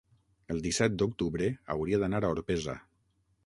El disset d'octubre hauria d'anar a Orpesa.